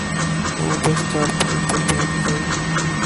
وہ بس چارپائی پر بیٹھ کر